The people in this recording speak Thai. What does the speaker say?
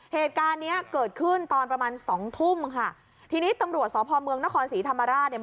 เหตุการณ์เนี้ยเกิดขึ้นตอนประมาณสองทุ่มค่ะทีนี้ตำรวจสพเมืองนครศรีธรรมราชเนี่ย